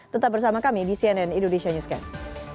tetap bersama kami di cnn indonesia newscast